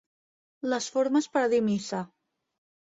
Les formes per a dir missa.